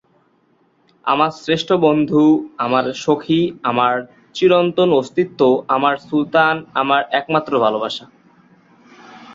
আমার শ্রেষ্ঠ বন্ধু, আমার সখী, আমার চিরন্তন অস্তিত্ব, আমার সুলতান, আমার একমাত্র ভালোবাসা।